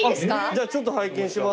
じゃあちょっと拝見します